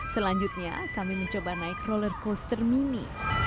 selanjutnya kami mencoba naik roller coaster mini